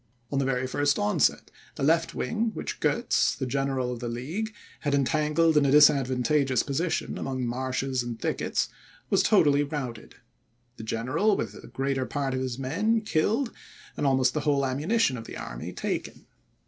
On the very first onset, the left wing, which Goetz, the general of the League, had entangled in a disadvantageous position among marshes and thickets, was totally routed; the general, with the greater part of his men, killed, and almost the whole ammunition of the army taken.